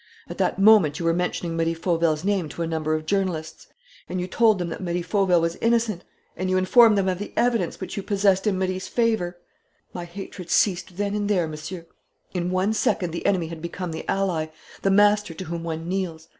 At that moment you were mentioning Marie Fauville's name to a number of journalists; and you told them that Marie Fauville was innocent; and you informed them of the evidence which you possessed in Marie's favour! "My hatred ceased then and there, Monsieur. In one second the enemy had become the ally, the master to whom one kneels.